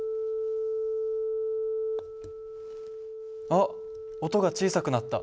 あっ音が小さくなった。